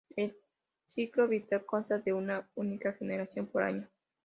El ciclo vital consta de una única generación por año.